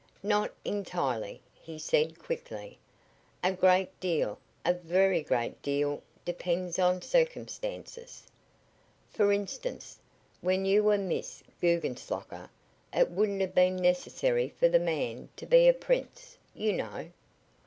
"Not entirely," he said, quickly. "A great deal a very great deal depends on circumstances. For instance, when you were Miss Guggenslocker it wouldn't have been necessary for the man to be a prince, you know."